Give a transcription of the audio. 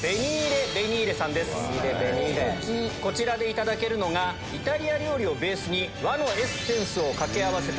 こちらでいただけるのがイタリア料理をベースに和のエッセンスを掛け合わせた